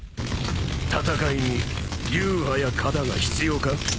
戦いに流派や形が必要か？